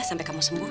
sampai kamu sembuh